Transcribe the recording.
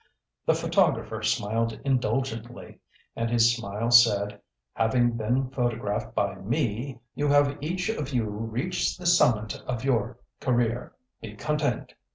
The photographer smiled indulgently, and his smile said: "Having been photographed by me, you have each of you reached the summit of your career. Be content.